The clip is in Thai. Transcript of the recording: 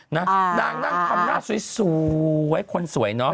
นางนั่งทำหน้าสวยคนสวยเนอะ